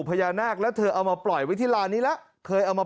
พญานาคแล้วเธอเอามาปล่อยไว้ที่ลานนี้แล้วเคยเอามา